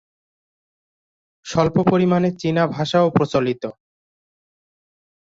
স্বল্প পরিমাণে চীনা ভাষাও প্রচলিত।